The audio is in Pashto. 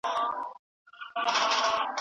لارښوونې به والدینو ته لاره وښيي.